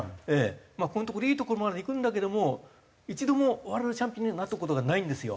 このところいいところまでいくんだけども一度もワールドチャンピオンにはなった事がないんですよ。